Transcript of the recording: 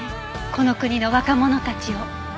この国の若者たちを。